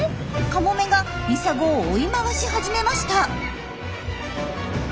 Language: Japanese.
カモメがミサゴを追い回し始めました。